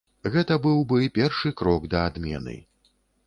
Гэта быў бы першы крок да адмены.